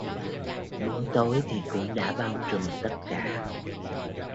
Bóng tối thì cũng đã bao trùm tất cả